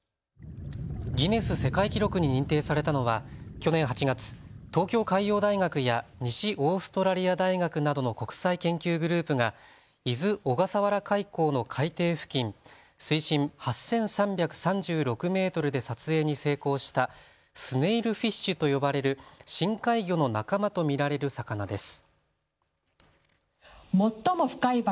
ギネス世界記録に認定されたのは去年８月、東京海洋大学や西オーストラリア大学などの国際研究グループが伊豆・小笠原海溝の海底付近、水深８３３６メートルで撮影に成功したスネイルフィッシュと呼ばれる深海魚の仲間と見られる魚です。